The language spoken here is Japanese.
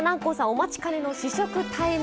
お待ちかねの試食タイム。